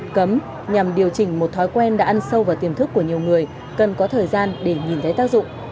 cấm nhằm điều chỉnh một thói quen đã ăn sâu vào tiềm thức của nhiều người cần có thời gian để nhìn thấy tác dụng